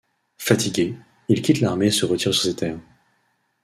Fatigué, il quitte l'armée et se retire sur ses terres.